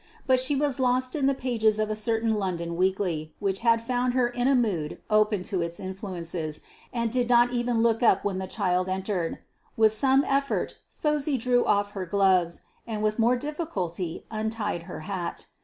But she was lost in the pages of a certain London weekly, which had found her in a mood open to its influences, and did not even look up when the child entered. With some effort Phosy drew off her gloves, and with more difficulty untied her hat.